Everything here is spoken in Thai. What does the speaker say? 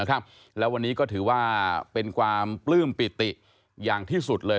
แล้ววันนี้ก็ถือว่าเป็นความปลื้มปิติอย่างที่สุดเลย